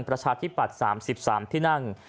ประชาธิปัตย์๓๓ที่นั่ง